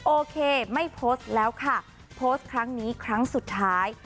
โอเคไม่โพสต์แล้วค่ะโพสต์ครั้งนี้ครั้งสุดท้าย